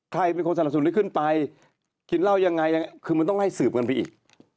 ใครเป็นคนสนับสนุนให้ขึ้นไปกินเหล้ายังไงคือมันต้องไล่สืบกันไปอีก